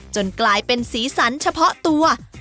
กลายเป็นสีสันเฉพาะตัว